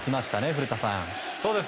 古田さん。